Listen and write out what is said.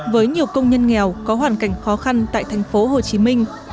với nhiều công nhân nghèo có hoàn cảnh khó khăn tại thành phố hồ chí minh